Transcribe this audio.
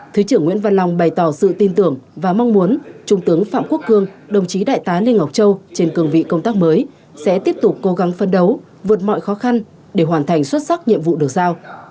thứ trưởng nguyễn văn long bày tỏ sự tin tưởng và mong muốn trung tướng phạm quốc cương đồng chí đại tá lê ngọc châu trên cường vị công tác mới sẽ tiếp tục cố gắng phân đấu vượt mọi khó khăn để hoàn thành xuất sắc nhiệm vụ được giao